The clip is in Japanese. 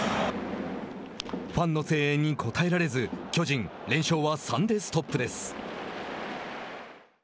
ファンの声援に応えられず巨人、連勝は３でストップです。